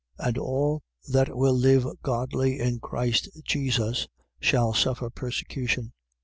3:12. And all that will live godly in Christ Jesus shall suffer persecution.